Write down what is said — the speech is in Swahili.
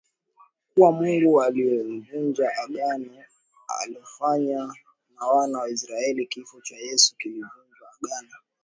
kuwa Mungu amelivunja Agano alilofanya na Wana wa Israel Kifo cha Yesu kilivunja agano